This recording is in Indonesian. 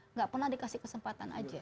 nggak pernah dikasih kesempatan aja